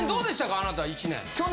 あなた１年。